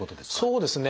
そうですね。